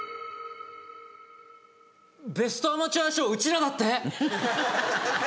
ベストアマチュア賞うちらだって！